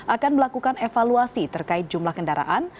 akan melakukan evaluasi terkait jumlah kendaraan